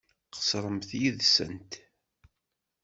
Qeṣṣremt yid-sent.